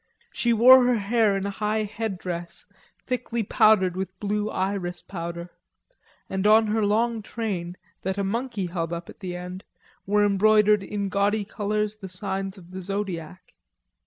She wore her hair in a high headdress thickly powdered with blue iris powder, and on her long train, that a monkey held up at the end, were embroidered in gaudy colors the signs of the zodiac.